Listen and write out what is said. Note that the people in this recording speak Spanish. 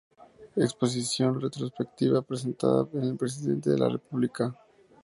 Exposición retrospectiva presentada en el Presidencia de la Republica.